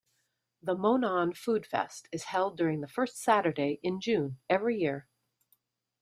The Monon Food Fest is held during the first Saturday in June every year.